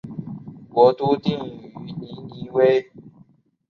国都定于尼尼微。